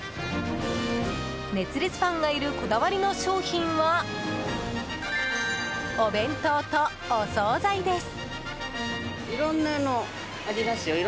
熱烈ファンがいるこだわりの商品はお弁当と、お総菜です。